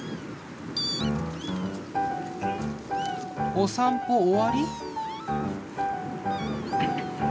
お散歩終わり？